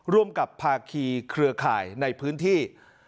ร่วมกับภาคีเครือข่ายในพื้นที่